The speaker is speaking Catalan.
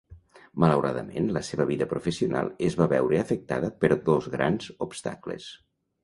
Malauradament, la seva vida professional es va veure afectada per dos grans obstacles.